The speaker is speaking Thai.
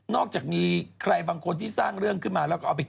อกจากมีใครบางคนที่สร้างเรื่องขึ้นมาแล้วก็เอาไป